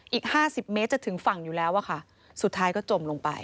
อีก๕๐เมตรจะถึงฝั่งอยู่แล้วอะค่ะสุดท้ายก็จมลงไป